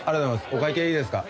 お会計いいですか？